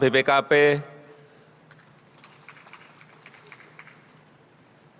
bapak ibu hadirin dalam keadaan yang baik